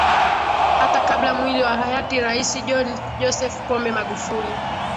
Hata kabla mwili wa hayati Rais John Joseph Pombe Magufuli